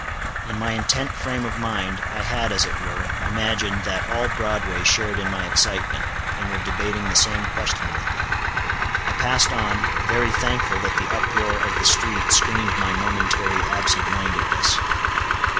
In my intent frame of mind, I had, as it were, imagined that all Broadway shared in my excitement, and were debating the same question with me. I passed on, very thankful that the uproar of the street screened my momentary absent mindedness.